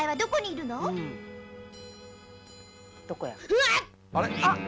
「うわっ！」